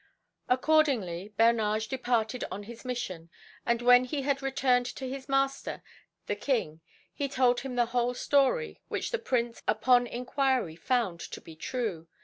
Accordingly Bernage departed on his mission, and when he had returned to his master, the King, he told him the whole story, which the Prince, upon inquiry, found to be true.